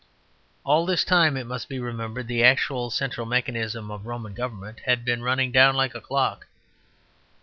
All this time, it must be remembered, the actual central mechanism of Roman government had been running down like a clock.